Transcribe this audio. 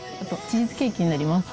チーズケーキになります。